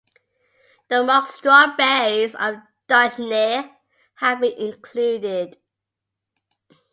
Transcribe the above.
The mock-strawberries of "Duchesnea" have been included.